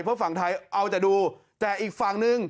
เพราะฝั่งไทยเอาแต่ดูแต่อีกฝั่งหนึ่ง